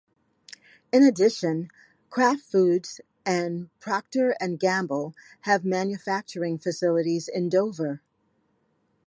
In addition, Kraft Foods and Procter and Gamble have manufacturing facilities in Dover.